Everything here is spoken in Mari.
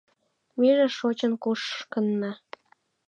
Меже шочын кушкынна